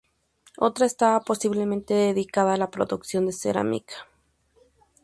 Otra estaba posiblemente dedicada a la producción de cerámica.